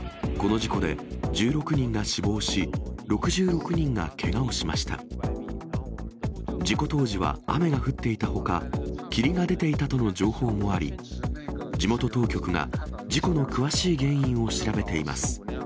事故当時は雨が降っていたほか、霧が出ていたとの情報もあり、地元当局が事故の詳しい原因を調べています。